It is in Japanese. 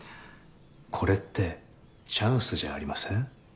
これってチャンスじゃありません？